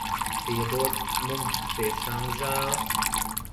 Piedod. Mums patiešām žēl.